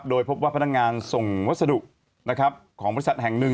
สีธรรมราชนะครับโดยพบว่าพนักงานส่งวัสดุนะครับของบริษัทแห่งหนึ่ง